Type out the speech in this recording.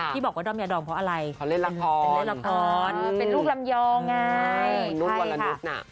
ที่บอกว่าด้อมยาดองเพราะอะไรเพราะเล่นละครเป็นลูกลำยองไงเป็นลูกวลนุษย์น่ะ